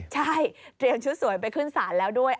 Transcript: ใช่เตรียมชุดสวยไปขึ้นศาลแล้วด้วย